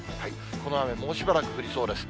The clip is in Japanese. この雨、もうしばらく降りそうです。